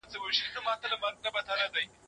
کلکین دي په صابون ومینځه.